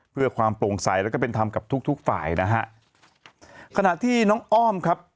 เพื่อความโปร่งใสแล้วก็เป็นธรรมกับทุกทุกฝ่ายนะฮะขณะที่น้องอ้อมครับ